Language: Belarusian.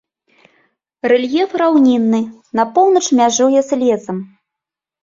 Рэльеф раўнінны, на поўнач мяжуе з лесам.